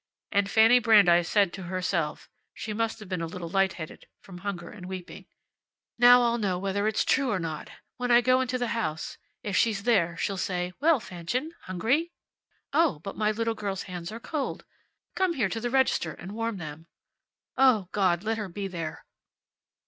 And Fanny Brandeis said to herself (she must have been a little light headed from hunger and weeping): "Now I'll know whether it's true or not. When I go into the house. If she's there she'll say, `Well Fanchen! Hungry? Oh, but my little girl's hands are cold! Come here to the register and warm them.' O God, let her be there!